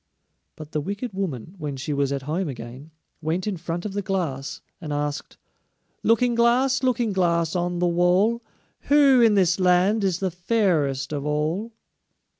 But the wicked woman, when she was at home again, went in front of the Glass and asked: "Looking glass, Looking glass, on the wall, Who in this land is the fairest of all?"